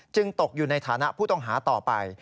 ตกอยู่ในฐานะผู้ต้องหาต่อไป